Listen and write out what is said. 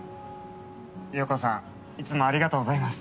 洋子さんいつもありがとうございます。